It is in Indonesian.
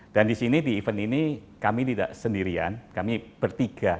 dan di sini di event ini kami tidak sendirian kami bertiga